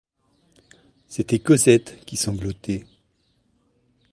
C'était Cosette qui sanglotait.